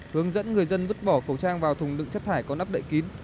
hướng dẫn người dân vứt bỏ khẩu trang vào thùng đựng chất thải có nắp đậy kín